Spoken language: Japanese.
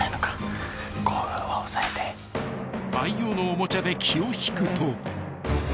［愛用のおもちゃで気を引くと］